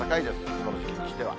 この時期にしては。